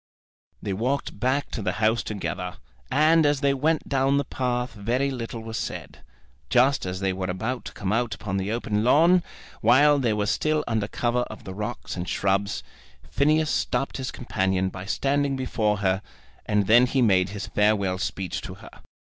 They walked back to the house together, and as they went down the path very little was said. Just as they were about to come out upon the open lawn, while they were still under cover of the rocks and shrubs, Phineas stopped his companion by standing before her, and then he made his farewell speech to her.